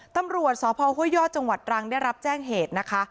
ตำรวจสพห้วยยอดจังหวัดตรังได้รับแจ้งเหตุนะคะ